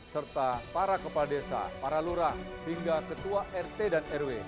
serta para kepala desa para lurah hingga ketua rt dan rw